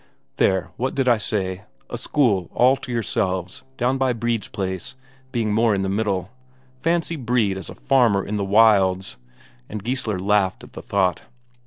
"There what did I say? A school all to yourselves, down by Brede's place, being more in the middle. Fancy Brede as a farmer in the wilds!" and Geissler laughed at the thought.